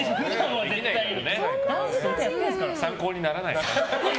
参考にならない。